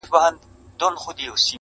o راوړئ پلار مي په رضا وي که په زوره,